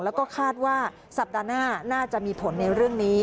แล้วก็คาดว่าสัปดาห์หน้าน่าจะมีผลในเรื่องนี้